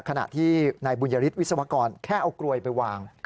ขณะที่นายบุญยฤทธิวิศวกรแค่เอากลวยไปวาง